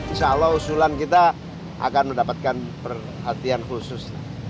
insya allah usulan kita akan mendapatkan perhatian khusus